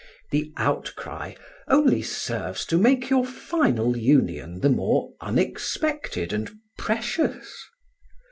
The outcry only serves to make your final union the more unexpected and precious.